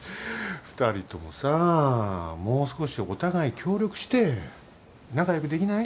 ２人共さもう少しお互い協力して仲良くできない？